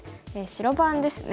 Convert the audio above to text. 白番ですね。